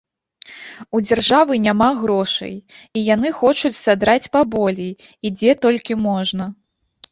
У дзяржавы няма грошай, і яны хочуць садраць паболей, і дзе толькі можна.